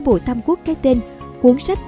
bộ tam quốc cái tên cuốn sách